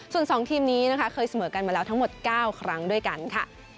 ส่วน๒ทีมนี้นะคะเคยเสมอกันมาแล้วทั้งหมด๙ครั้งด้วยกันค่ะ